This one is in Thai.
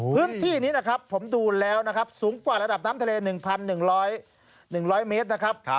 พื้นที่นี้นะครับผมดูแล้วนะครับสูงกว่าระดับน้ำทะเล๑๑๐๐เมตรนะครับ